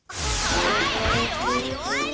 はいはい終わり終わり！